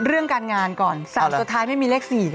เรื่องการงานก่อน๓สุดท้ายไม่มีเลข๔ครับ